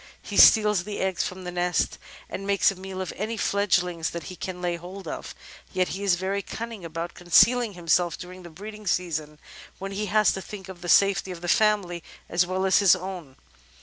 He steals the eggs from the nest, and makes a meal of any fledgings that he can lay hold of. Yet he is very cunning about concealing himself during the breeding season, when he has to think of the safety of the family as well as his own.